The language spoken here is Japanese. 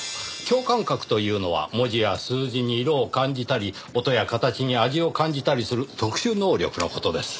共感覚というのは文字や数字に色を感じたり音や形に味を感じたりする特殊能力の事です。